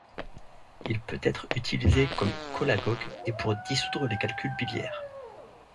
Il peut être utilisé comme cholagogue et pour dissoudre les calculs biliaires.